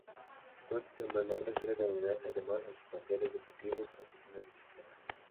Con este sobrenombre suele denominarse además a sus planteles deportivos en las distintas disciplinas.